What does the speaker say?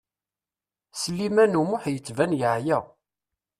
Sliman U Muḥ yettban yeɛya.